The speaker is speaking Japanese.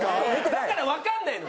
だからわかんないの。